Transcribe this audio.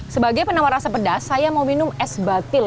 sebagai penawar rasa pedas saya mau minum es batil